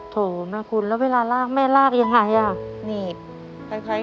โถแม่คุณแล้วเวลาลากแม่ลากอย่างไร